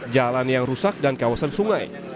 jalan yang rusak dan kawasan sungai